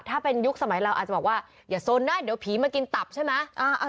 ถ้าเป็นยุคสมัยเราอาจจะบอกว่าอย่าโซนได้เดี๋ยวผีมากินตับใช่ไหม